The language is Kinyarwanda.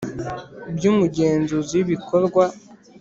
By umugenzuzi w ibikorwa